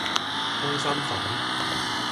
通心粉